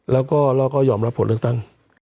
แล้วก็ยอมรับผลเลือกตั้ง